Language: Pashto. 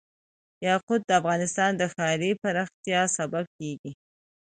یاقوت د افغانستان د ښاري پراختیا سبب کېږي.